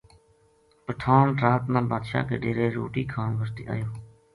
پٹھان رات نا بادشاہ کے ڈیرے روٹی کھان بسطے ایو